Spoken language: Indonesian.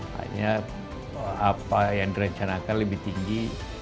hanya apa yang direncanakan lebih tinggi